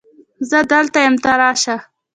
زه دلته یم ته راشه